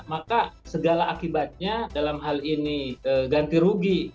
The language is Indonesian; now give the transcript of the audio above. maka segala akibatnya dalam hal ini ganti rugi